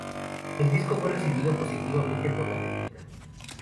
El disco fue recibido positivamente por la crítica.